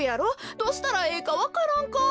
どうしたらええかわからんか？